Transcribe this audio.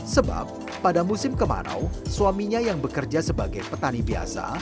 sebab pada musim kemarau suaminya yang bekerja sebagai petani biasa